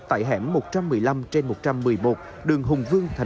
tại hẻm một trăm một mươi năm trên một trăm một mươi một đường hùng vương tp tâm kỳ